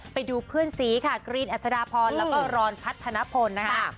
ไปดูเพื่อนสีค่ะกรีนอัศดาพรแล้วก็รอนพัฒนพลนะคะ